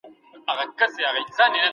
صداقت د یوې سالمې ټولني بنسټ دی.